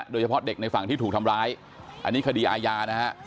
โดยเฉพาะเด็กในฝั่งที่ถูกทำร้ายอันนี้คดีอาญานะฮะ